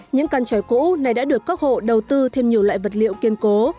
những căn tròi cũ này đã được các hộ đầu tư thêm nhiều loại vật liệu kiên cố